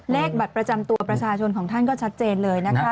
เลขบัตรประจำตัวประชาชนของท่านก็ชัดเจนเลยนะคะ